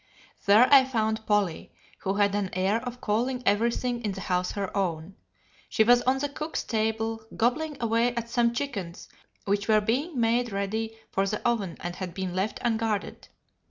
There I found Polly, who had an air of calling everything in the house her own. She was on the cook's table, gobbling away at some chickens which were being made ready for the oven and had been left unguarded.